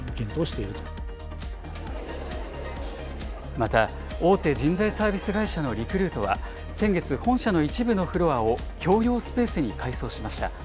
また、大手人材サービス会社のリクルートは、先月、本社の一部のフロアを共用スペースに改装しました。